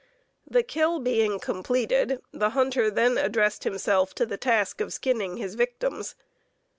The "kill" being completed, the hunter then addressed himself to the task of skinning his victims.